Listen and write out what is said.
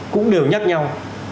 cũng đều nhắc nhau